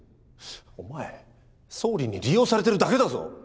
お前総理に利用されてるだけだぞ！